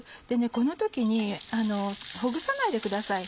この時にほぐさないでください。